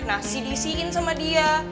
nasi diisiin sama dia